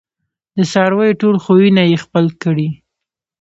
د څارویو ټول خویونه یې خپل کړي